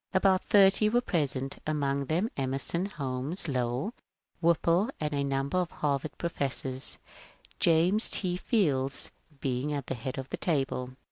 About thirty were pre sent, among them Emerson, Holmes, Lowell, Whipple, and a number of Harvard professors, James T. Fields being at the head of the table.